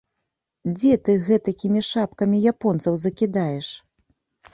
Дзе ты гэтакімі шапкамі японцаў закідаеш?!